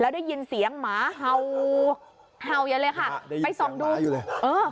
ได้ยินเสียงหมาอยู่เลย